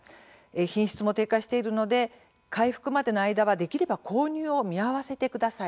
品質も低下しているので回復までの間はできれば購入を見合わせてください